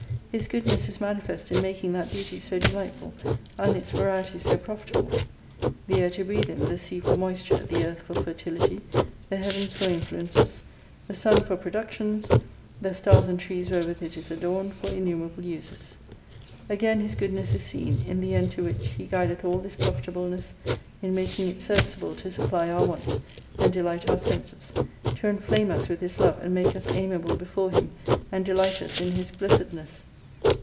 His goodness is manifest in making that beauty so delight ful, and its varieties so profitable. The air to breathe in, the sea for moisture, the earth for fertility, the heavens for influences, the Sun for productions, the stars and trees wherewith it is adorned for innumerable uses. Again His goodness is seen, in the end to which He guideth all this profitableness, in making it service able to supply our wants, and delight our senses : to enflame us with His love, and make us amiable before Him, and delighters in His blessedness.